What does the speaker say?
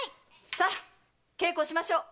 さあ稽古をしましょう！